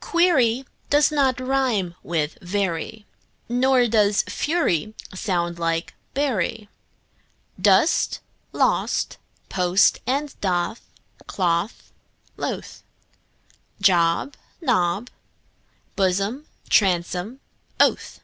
Query does not rime with very, Nor does fury sound like bury. Dost, lost, post and doth, cloth, loth; Job, Job, blossom, bosom, oath.